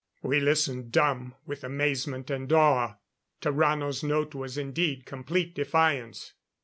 "_ We listened, dumb with amazement and awe. Tarrano's note was indeed, complete defiance.